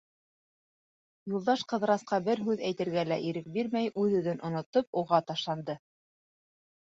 Юлдаш Ҡыҙырасҡа бер һүҙ әйтергә лә ирек бирмәй, үҙ-үҙен онотоп, уға ташланды.